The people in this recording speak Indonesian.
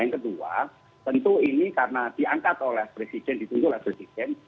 yang kedua tentu ini karena diangkat oleh presiden ditunggu oleh presiden